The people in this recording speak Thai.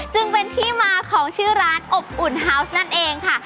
จึงเป็นที่มาของชื่อร้านอบอุ่นฮาวส์นั่นเองค่ะ